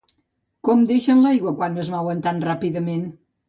Com deixen l'aigua, quan es mouen tan ràpidament?